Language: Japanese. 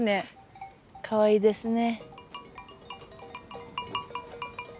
かわいいですね。